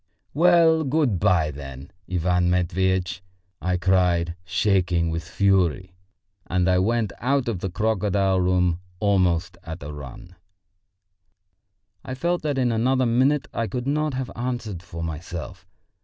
"Well, good bye, then, Ivan Matveitch!" I cried, shaking with fury, and I went out of the crocodile room almost at a run. I felt that in another minute I could not have answered for myself.